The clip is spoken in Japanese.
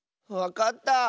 わかった！